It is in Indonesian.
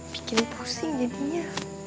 bikin pusing jadinya